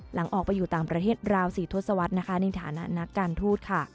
หลังออกไปอยู่ต่างประเทศราว๔ทศวรรษนะคะในฐานะนักการทูตค่ะ